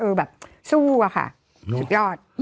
แบบสู้อะค่ะสุดยอด